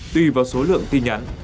tùy vào số lượng tin nhắn